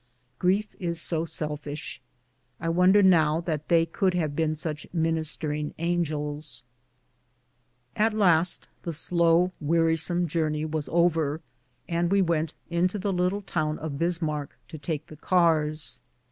Grief is so selfish, I wonder now that they could have been such ministering angels. 90 BOOTS AND SADDLES. At last the slow, wearisome journey was over, and we went into the little town of Bismarck to take the cars.